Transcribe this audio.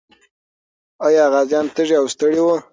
آیا غازیان تږي او ستړي وو؟